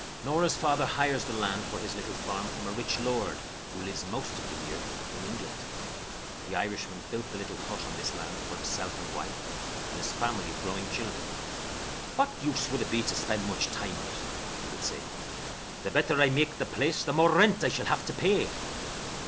Norah's father hires the land for his little farm from a rich lord who lives most of the year in England. The Irishman built the little hut on this land for himself and wife, and his family of growing children. "What use would it be to spend much time on it?" he would say. "The better I make the place, the more rent I shall have to pay."